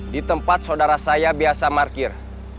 di tempat saudara saya biasa markir